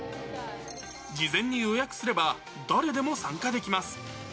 事前に予約すれば、誰でも参加できます。